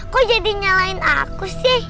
kok jadi nyalain aku sih